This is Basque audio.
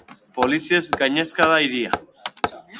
Poliziez gainezka da hiria.